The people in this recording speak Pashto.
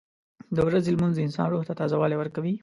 • د ورځې لمونځ د انسان روح ته تازهوالی ورکوي.